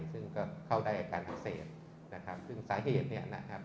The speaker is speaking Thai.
ซึ่งก็เข้าได้อาการอักเสบนะครับซึ่งสาเหตุเนี่ยนะครับ